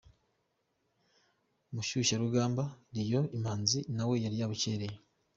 Umushyushyarugamba Lion Imanzi nawe yari yabukereye.